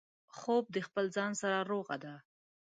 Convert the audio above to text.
خوب د خپل ځان سره روغه ده